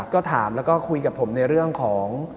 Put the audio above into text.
ก็ถามแล้วก็คุยกับผมในเรื่องของ